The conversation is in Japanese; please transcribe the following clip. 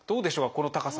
この高さ。